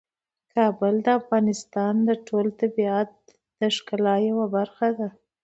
کابل د افغانستان د ټول طبیعت د ښکلا یوه برخه ده.